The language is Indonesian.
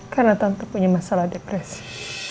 karena tante punya masalah depresi